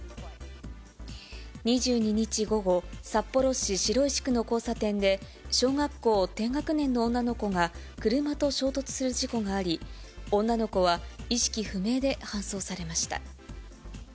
２２日午後、札幌市白石区の交差点で、小学校低学年の女の子が車と衝突する事故があり、女の子は意識不明で搬送されました。